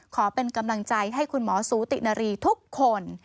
ขอเป็นกำลังใจให้คุณหมอสูตินารีทุกคน